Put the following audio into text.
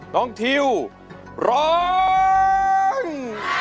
น้องทิวร้อง